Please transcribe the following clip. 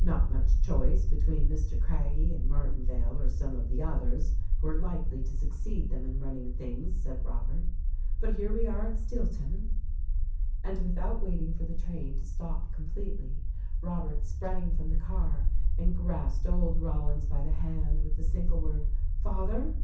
"Not much choice between Mr. Craggie and Martinvale or some of the others who are likely to succeeed them in running things," said Robert — "but here we are at Steel ton !" And without waiting for the train to stop completely Robert sprang from the car and grasped old Rollins by the hand, with the single word "Father?"